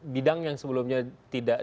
bidang yang sebelumnya tidak